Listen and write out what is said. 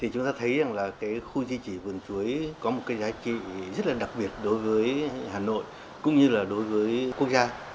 chúng ta thấy khu di chỉ vườn chuối có một giá trị rất đặc biệt đối với hà nội cũng như đối với quốc gia